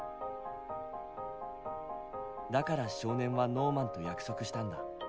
だから少年はノーマンと約束したんだ。